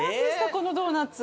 このドーナツ。